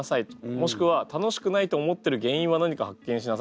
もしくは楽しくないと思ってる原因は何か発見しなさい。